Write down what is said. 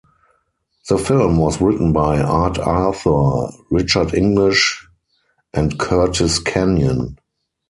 The film was written by Art Arthur, Richard English and Curtis Kenyon.